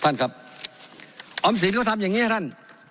ท่านครับอำศิลป์เขาทำอย่างงี้นะท่าน